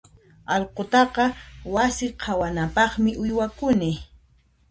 Allqutaqa wasi qhawanampaqmi uywakuni.